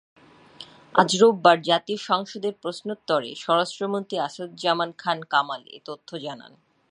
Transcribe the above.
আজ রোববার জাতীয় সংসদের প্রশ্নোত্তরে স্বরাষ্ট্রমন্ত্রী আসাদুজ্জামান খান কামাল এ তথ্য জানান।